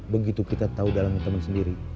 begitu kita tahu dalam teman sendiri